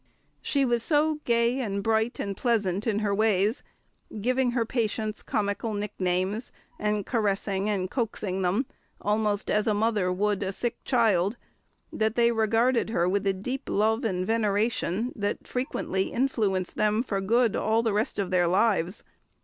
She was so gay and bright and pleasant in her ways, giving her patients comical nicknames, and caressing and coaxing them almost as a mother would a sick child, that they regarded her with a deep love and veneration that frequently influenced them for good all the rest of their lives.